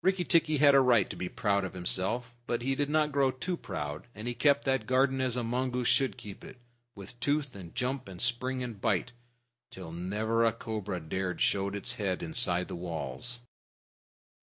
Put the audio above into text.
Rikki tikki had a right to be proud of himself. But he did not grow too proud, and he kept that garden as a mongoose should keep it, with tooth and jump and spring and bite, till never a cobra dared show its head inside the walls.